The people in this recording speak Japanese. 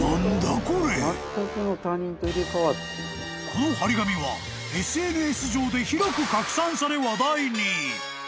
［このはり紙はＳＮＳ上で広く拡散され話題に］